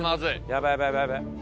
やばいやばいやばい！